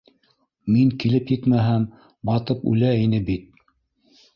Мин килеп етмәһәм, батып үлә ине бит ул!